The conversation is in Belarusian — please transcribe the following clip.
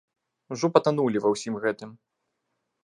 Ужо патанулі ва ўсім гэтым!